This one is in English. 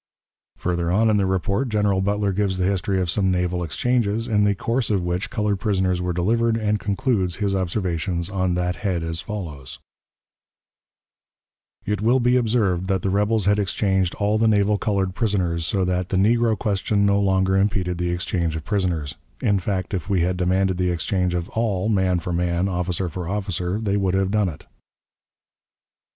Further on in the report General Butler gives the history of some naval exchanges, in the course of which colored prisoners were delivered, and concludes his observations on that head as follows: "It will be observed that the rebels had exchanged all the naval colored prisoners, so that the negro question no longer impeded the exchange of prisoners; in fact, if we had demanded the exchange of all, man for man, officer for officer, they would have done it."